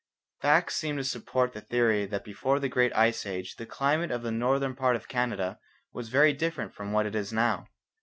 Facts seem to support the theory that before the Great Ice Age the climate of the northern part of Canada was very different from what it is now.